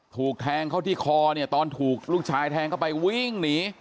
ถูกแทงเข้าที่คอเนี่ยตอนถูกลูกชายแทงเข้าไปวิ่งหนี